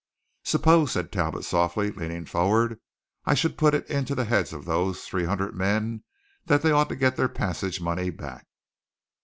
"Suppose," said Talbot softly, leaning forward. "I should put it into the heads of those three hundred men that they ought to get their passage money back?"